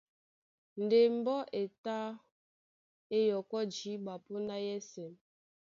Ndé mbɔ́ e tá é yɔkɔ́ jǐɓa póndá yɛ́sɛ̄.